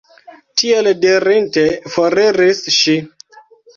Tiel dirinte, foriris ŝi.